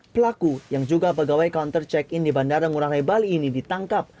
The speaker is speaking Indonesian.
pelaku yang juga pegawai counter check in di bandara ngurah rai bali ini ditangkap